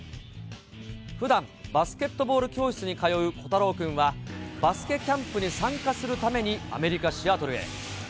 ふだん、バスケットボール教室に通う虎太郎君は、バスケキャンプに参加するためにアメリカ・シアトルへ。